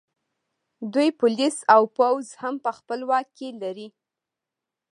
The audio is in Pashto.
دوی پولیس او پوځ هم په خپل واک کې لري